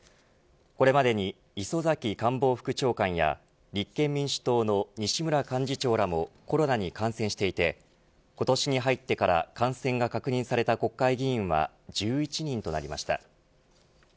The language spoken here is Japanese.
これまでに磯崎官房副長官や立憲民主党の西村幹事長らもコロナに感染していて今年に入ってから感染が確認された国会議員は１１人となりました。